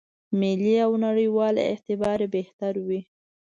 ملي او نړېوال اعتبار یې بهتر وي.